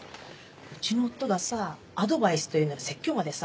うちの夫がさアドバイスという名の説教魔でさ